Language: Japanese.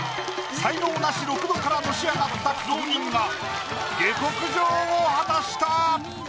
才能ナシ６度からのし上がった苦労人が下克上を果たした。